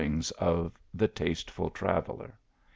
ings of the tasteful traveller.